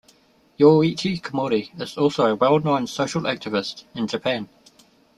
Yoichi Komori is also a well-known social activist in Japan.